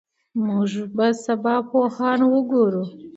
موږ به سبا پوهان وګورو.